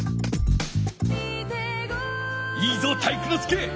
いいぞ体育ノ介！